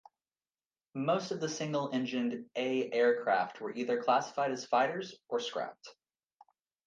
Most of the single-engined "A" aircraft were either classified as fighters, or scrapped.